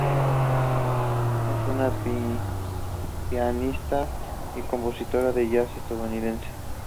Es una pianista y compositora de jazz estadounidense.